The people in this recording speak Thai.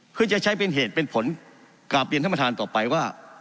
เพื่อจะใช้เป็นเหตุเป็นผลกราบเรียนท่านประธานต่อไปว่า